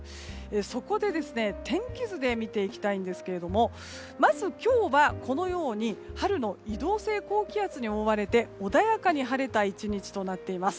そこで天気図で見ていきたいんですけれどもまず、今日はこのように春の移動性高気圧に覆われて穏やかに晴れた１日となっています。